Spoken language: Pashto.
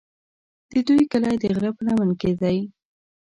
د دوی کلی د غره په لمن کې دی.